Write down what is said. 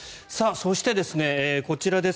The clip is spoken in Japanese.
そして、こちらです。